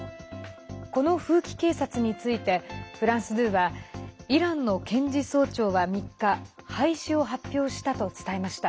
この風紀警察についてフランス２はイランの検事総長は３日廃止を発表したと伝えました。